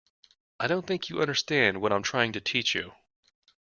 I don't think you understand what I'm trying to teach you.